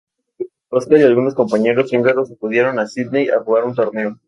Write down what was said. Oscar y algunos compañeros húngaros acudieron a Sídney a jugar un torneo.